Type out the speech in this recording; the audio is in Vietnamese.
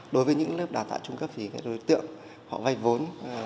đối với những lớp đào tạo trung cấp thì các đối tượng họ vay vốn